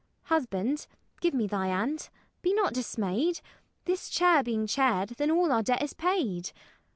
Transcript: Husband, give me thy hand; be not dismayed; This chair being chaired, then all our debt is paid.